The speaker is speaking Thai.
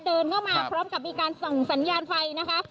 เดินเข้ามาพร้อมกับมีการส่องสัญญาณไฟนะคะ